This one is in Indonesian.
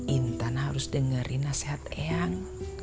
intan harus dengerin nasihat eyang